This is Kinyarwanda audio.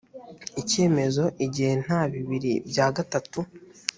icyemezo igihe nta bibiri bya gatatu